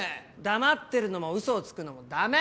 黙ってるのもウソをつくのもダメ。